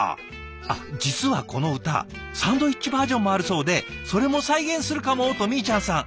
あっ実はこの歌サンドイッチバージョンもあるそうで「それも再現するかも」とみーちゃんさん。